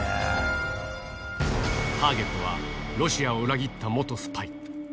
ターゲットはロシアを裏切った元スパイ。